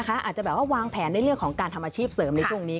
อาจจะแบบว่าวางแผนในเรื่องของการทำอาชีพเสริมในช่วงนี้